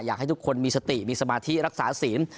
อยากให้ทุกคนมีสติมีสมาธิรักษาศีล